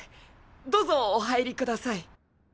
どうぞお入りください。